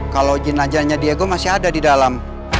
kalau jenajahnya diego masih ada di dalam